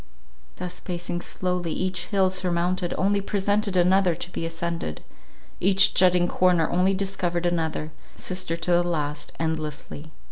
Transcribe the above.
Thus pacing slowly, each hill surmounted, only presented another to be ascended; each jutting corner only discovered another, sister to the last, endlessly.